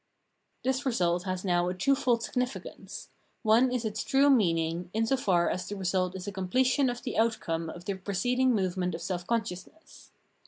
This result has now a twofold significance : one is its true meaning, in so far as the result is a completion of the outcome of the preceding movement of self consciousness.